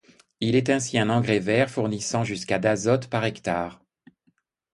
Il est ainsi un engrais vert fournissant jusqu'à d'azote par hectare.